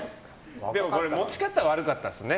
でも持ち方が悪かったですね。